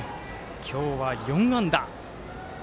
今日は４安打。